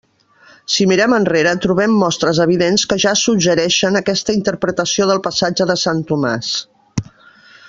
Si mirem enrere, trobem mostres evidents que ja suggereixen aquesta interpretació del passatge de sant Tomàs.